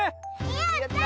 やった！